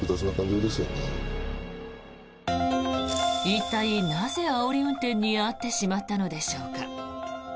一体なぜ、あおり運転に遭ってしまったのでしょうか。